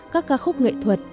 các ca khúc nghệ thuật